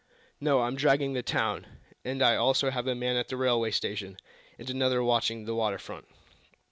"No; I'm dragging the town, and I also have a man at the railway station, and another watching the water front."